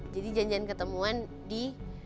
jadi janjian ketemuan di